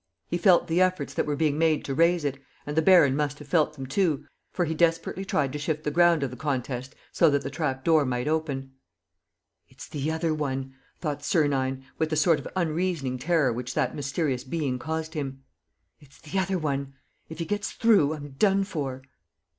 He felt the efforts that were being made to raise it; and the baron must have felt them too, for he desperately tried to shift the ground of the contest so that the trap door might open. "It's 'the other one'!" thought Sernine, with the sort of unreasoning terror which that mysterious being caused him. "It's the other one. ... If he gets through, I'm done for."